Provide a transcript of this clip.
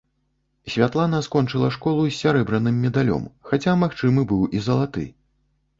Святлана скончыла школу з сярэбраным медалём, хаця магчымы быў і залаты.